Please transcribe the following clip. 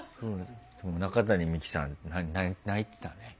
中谷美紀さん泣いてたね。